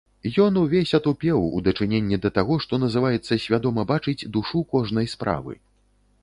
Ён увесь атупеў у дачыненні да таго, што называецца свядома бачыць душу кожнай справы.